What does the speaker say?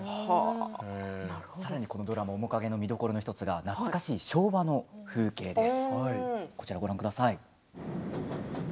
さらにこのドラマの見どころの１つが懐かしい昭和の風景です。